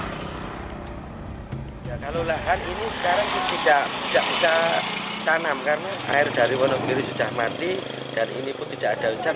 kalau lahan ini sekarang tidak bisa tanam karena air dari wonogiri sudah mati dan ini pun tidak ada hujan